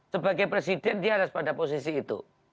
sebagai presiden dia harus pada posisi itu